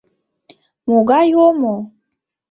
Могай омо!